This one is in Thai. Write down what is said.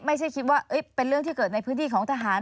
ไม่ใช่คิดว่าเป็นเรื่องที่เกิดในพื้นที่ของทหาร